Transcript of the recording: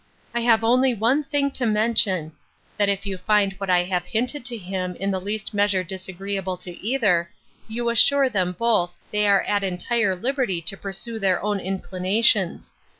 I have only one thing to mention, that if you find what I have hinted to him in the least measure disagreeable to either, you assure them both, that they are at entire liberty to pursue their own inclinations.